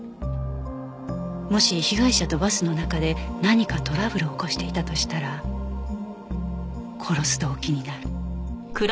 もし被害者とバスの中で何かトラブルを起こしていたとしたら殺す動機になる